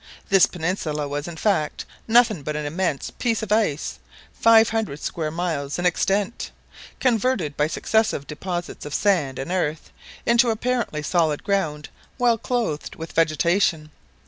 This peninsula was in fact nothing but an immense piece of ice, five hundred square miles in extent, converted by successive deposits of sand and earth into apparently solid ground well clothed with vegetation.